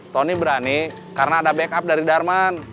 tony berani karena ada backup dari darman